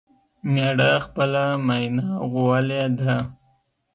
مېړه خپله ماينه غوولې ده